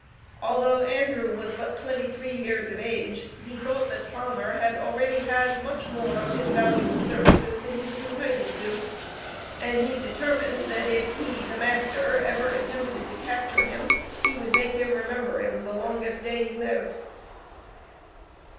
Although Andrew was but twenty three years of age, he thought that Palmer had already had much more of his valuable services than he was entitled to, and he determined, that if he (the master), ever attempted to capture him, he would make him remember him the longest day he lived.